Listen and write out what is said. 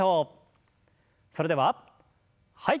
それでははい。